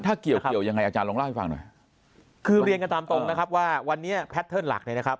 ถ้าเกี่ยวเกี่ยวยังไงอาจารย์ลองเล่าให้ฟังหน่อยคือเรียนกันตามตรงนะครับว่าวันนี้แพทเทิร์นหลักเนี่ยนะครับ